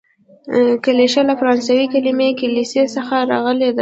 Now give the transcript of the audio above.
کلیشه له فرانسوي کليمې کلیسې څخه راغلې ده.